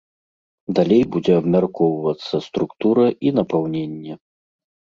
Далей будзе абмяркоўвацца структура і напаўненне.